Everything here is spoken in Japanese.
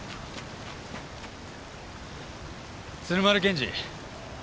鶴丸検事。